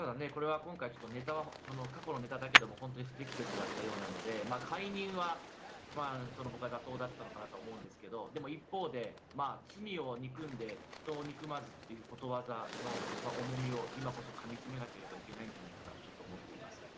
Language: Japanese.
今回、過去のネタだけど本当に不適切だったようなので解任は僕は妥当だったのかなと思いますが一方で罪を憎んで人を憎まずということわざの重みを今こそかみしめなきゃいけないんじゃないかとちょっと思っています。